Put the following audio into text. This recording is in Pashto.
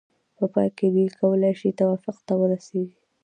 په پای کې دوی کولای شي توافق ته ورسیږي.